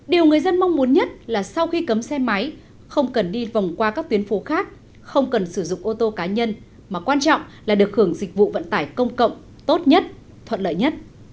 điều người dân mong muốn nhất là sau khi cấm xe máy không cần đi vòng qua các tuyến phố khác không cần sử dụng ô tô cá nhân mà quan trọng là được hưởng dịch vụ vận tải công cộng tốt nhất thuận lợi nhất